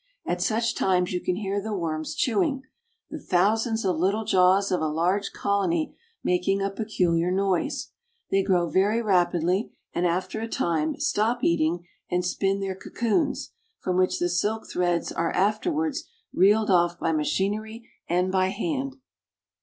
At such times you can hear the worms chewing, the thousands of little jaws of a large colony making a peculiar noise. They grow very rapidly, and after a time stop eating and spin their cocoons, from which the silk threads are after wards reeled off by machinery and by hand.